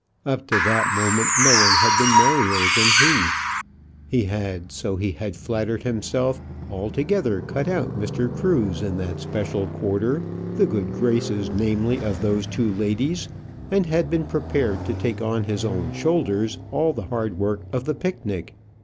Up to that moment, no one had been merrier than he. He had, so he had flattered himself, altogether cut out Mr. Cruse in that special quarter, the good graces namely of those two ladies, and had been prepared to take on his own shoulders all the hard work of the picnic.